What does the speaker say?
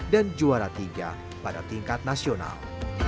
dan juara tiga pada tingkat nasional